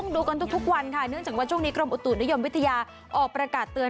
ดูกันทุกวันค่ะเนื่องจากว่าช่วงนี้กรมอุตุนิยมวิทยาออกประกาศเตือน